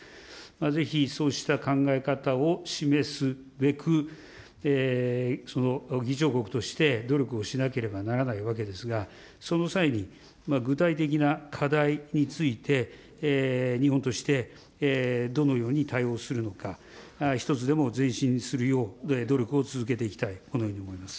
ぜひそうした考え方を示すべく、その議長国として、努力をしなければならないわけですが、その際に、具体的な課題について、日本としてどのように対応するのか、１つでも前進するよう努力を続けていきたい、このように思います。